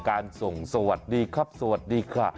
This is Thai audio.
การส่งสวัสดีครับสวัสดีค่ะ